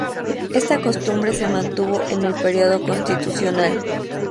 Esta costumbre se mantuvo en el período constitucional.